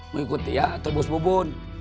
mau ikut dia atau bos bubun